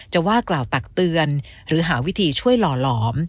ว่ากล่าวตักเตือนหรือหาวิธีช่วยหล่อหลอม